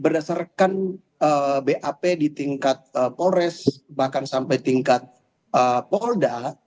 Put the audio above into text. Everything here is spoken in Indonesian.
dari tingkat polres bahkan sampai tingkat polda